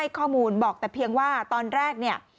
ใครกล้าให้ข้อมูลบอกแต่เพียงว่าตอนแรกเนี่ย